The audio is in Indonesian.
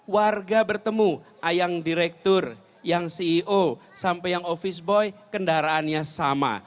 warga bertemu yang direktur yang ceo sampai yang office boy kendaraannya sama